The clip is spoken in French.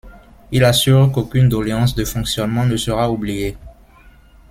Il assure qu'aucune doléance de fonctionnement ne sera oubliée.